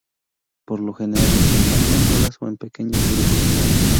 Por lo general, se encuentran solas o en pequeños grupos.